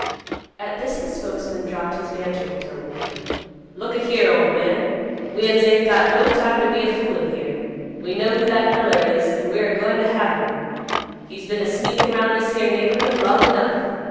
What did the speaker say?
At this the spokesman dropped his bantering tone, "Look a here, ol' man. We'uns ain't got no time t' be a foolin' here. We know who that feller is, an' we're a goin' t' have him. He's been a sneakin' 'round this here neighborhood long enough.